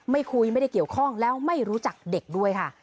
คุยไม่ได้เกี่ยวข้องแล้วไม่รู้จักเด็กด้วยค่ะ